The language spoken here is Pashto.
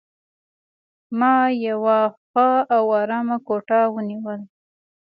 ما یوه ښه او آرامه کوټه ونیول.